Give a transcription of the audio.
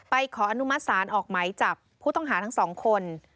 ขออนุมัติศาลออกไหมจับผู้ต้องหาทั้งสองคน